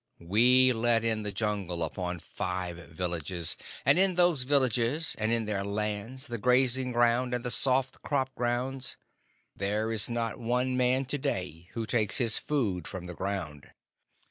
We let in the Jungle upon five villages; and in those villages, and in their lands, the grazing ground and the soft crop grounds, there is not one man to day who takes his food from the ground.